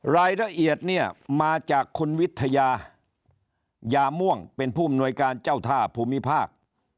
รายละเอียดเนี่ยมาจากคุณวิทยายาม่วงเป็นผู้อำนวยการเจ้าท่าภูมิภาค